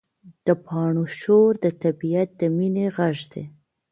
د پاڼو شور د طبیعت د مینې غږ دی.